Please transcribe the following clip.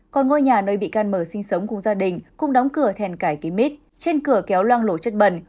còn ngôi nhà nơi bị can m sinh sống cùng gia đình cũng đóng cửa thèn cải kín mít trên cửa kéo loang lộ chất bẩn